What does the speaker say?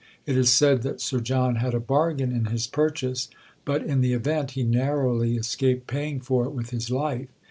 It is said that Sir John had a bargain in his purchase; but, in the event, he narrowly escaped paying for it with his life.